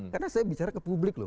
karena saya bicara ke publik loh